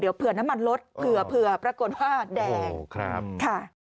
เดี๋ยวเผื่อน้ำมันลดเผื่อปรากฏว่าดัง